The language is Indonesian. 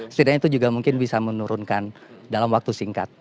setidaknya itu juga mungkin bisa menurunkan dalam waktu singkat